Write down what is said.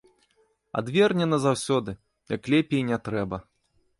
Адверне назаўсёды, як лепей і не трэба.